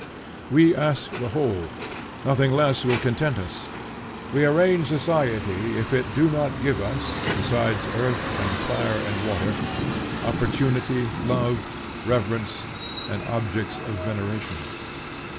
We ask the whole. Nothing less will content us. We arraign society if it do not give us, besides earth and fire and water, opportunity, love, reverence, and objects of veneration.